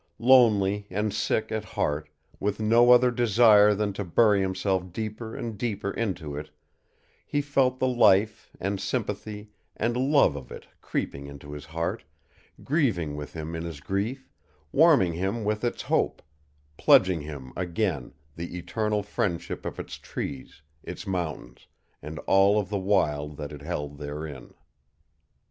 Lonely and sick at heart, with no other desire than to bury himself deeper and deeper into it, he felt the life, and sympathy, and love of it creeping into his heart, grieving with him in his grief, warming him with its hope, pledging him again the eternal friendship of its trees, its mountains, and all of the wild that it held therein.